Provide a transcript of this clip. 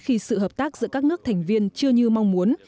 khi sự hợp tác giữa các nước thành viên chưa như mong muốn